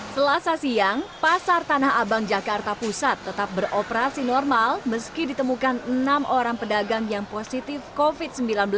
selasa siang pasar tanah abang jakarta pusat tetap beroperasi normal meski ditemukan enam orang pedagang yang positif covid sembilan belas